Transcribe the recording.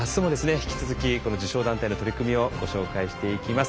引き続きこの受賞団体の取り組みをご紹介していきます。